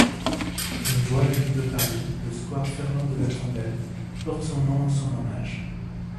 Une voie du de Paris, le square Fernand-de-la-Tombelle, porte son nom en son hommage.